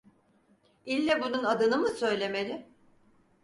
İlle bunun adını mı söylemeli?